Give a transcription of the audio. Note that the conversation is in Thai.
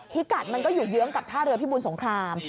พิกัดมันก็อยู่เยื้องกับท่าเรือพิบูรสงคราม